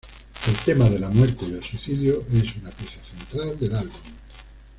El tema de la muerte y el suicidio es una pieza central del álbum.